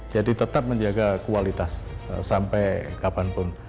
jadi tetap menjaga kualitas sampai kapanpun